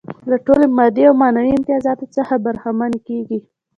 له ټولو مادي او معنوي امتیازاتو څخه برخمنې کيږي.